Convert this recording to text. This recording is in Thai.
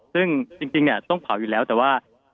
ซึ่งจริงต้องเผาอยู่แล้วแต่ว่า